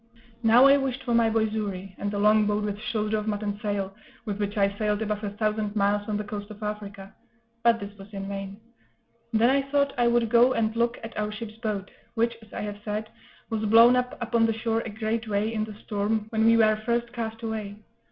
Now I wished for my boy Xury, and the longboat with shoulder of mutton sail, with which I sailed above a thousand miles on the coast of Africa; but this was in vain. Then I thought I would go and look at our ship's boat, which, as I have said, was blown up upon the shore a great way, in the storm, when we were first cast away.